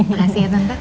makasih ya tante